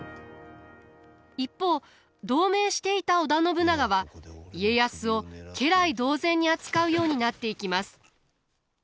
一方同盟していた織田信長は家康を家来同然に扱うようになっていきます。